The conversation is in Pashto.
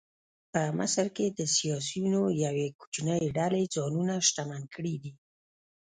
په مصر کې د سیاسیونو یوې کوچنۍ ډلې ځانونه شتمن کړي دي.